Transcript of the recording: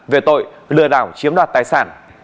về tội lừa đảo chiếm đoạt tài sản